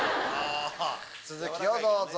続きをどうぞ。